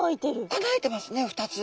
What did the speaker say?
穴あいてますね２つ。